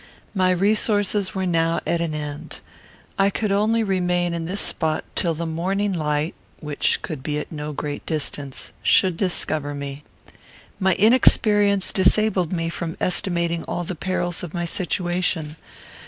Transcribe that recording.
My resources were now at an end. I could only remain in this spot till the morning light, which could be at no great distance, should discover me. My inexperience disabled me from estimating all the perils of my situation.